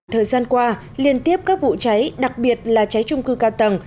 thời gian qua liên tiếp các vụ cháy đặc biệt là cháy trung cư cao tầng